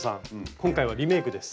今回はリメイクです。